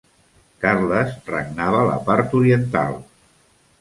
Carles regnava la part oriental.